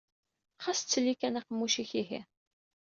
Xas ttelli kan aqemmuc-ik, ihi!